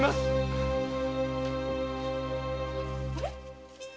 あれ？